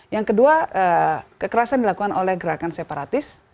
yang kedua kekerasan dilakukan oleh gerakan separatis